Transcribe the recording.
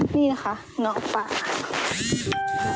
นี่นะคะน้องป่า